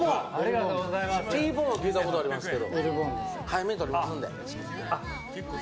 Ｔボーンは聞いたことありますけど。